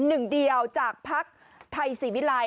หนึ่งเดียวจากภักดิ์ไทยสิวิไร